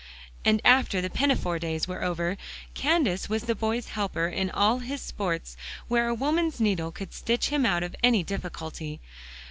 And after the "pinafore days" were over, Candace was the boy's helper in all his sports where a woman's needle could stitch him out of any difficulty.